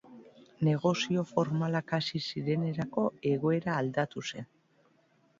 Negoziazio formalak hasi zirenerako, egoera aldatu zen.